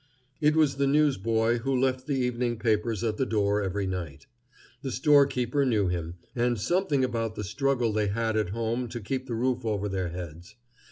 It was the newsboy who left the evening papers at the door every night. The storekeeper knew him, and something about the struggle they had at home to keep the roof over their heads.